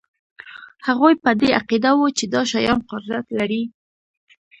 هغوی په دې عقیده وو چې دا شیان قدرت لري